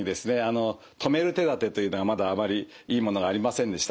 止める手だてというのがまだあまりいいものがありませんでしたから。